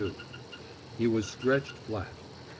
He was stretched flat.